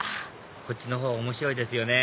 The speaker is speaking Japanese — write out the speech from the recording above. こっちのほう面白いですよね